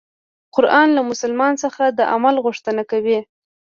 قرآن له مسلمان څخه د عمل غوښتنه کوي.